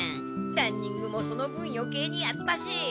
ランニングもその分よけいにやったし。